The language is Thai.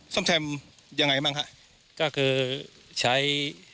ซ่อมแซมอย่างไรบ้างครับ